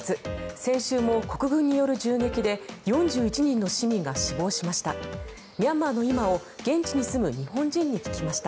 先週も国軍による銃撃で４１人の市民が死亡しました。